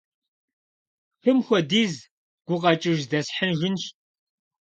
«Хым хуэдиз» гукъэкӀыж здэсхьыжынщ.